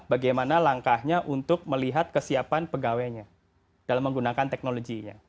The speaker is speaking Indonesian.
bagaimana langkahnya untuk melihat kesiapan pegawainya dalam menggunakan teknologinya